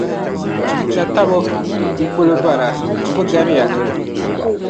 Yi tatabo, n kuli bala, o bi gari ya.